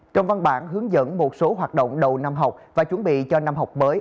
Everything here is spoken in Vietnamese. trong văn bản hướng dẫn một số hoạt động đầu năm học và chuẩn bị cho năm học mới